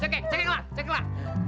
cekek cekek lah cekek lah